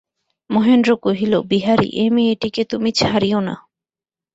মহেন্দ্র কহিল, বিহারী, এ মেয়েটিকে তুমি ছাড়িয়ো না।